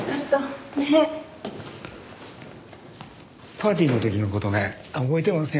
パーティーの時の事ね覚えてますよ。